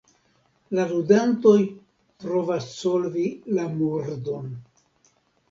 La ludantoj provas solvi la murdon.